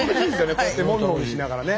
こうやってモミモミしながらね。